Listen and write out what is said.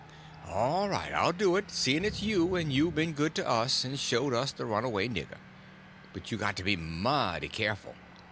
"All right, I'll do it, seeing it's you, and you've been good to us and showed us the runaway nigger. But you got to be mighty careful.